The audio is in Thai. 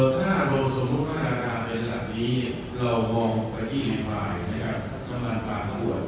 ถ้าสมมุติว่าการเป็นแบบนี้เรามองไฟที่รีไฟล์สำหรับปรากฏ